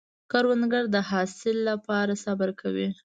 کروندګر د حاصل له پاره صبر کوي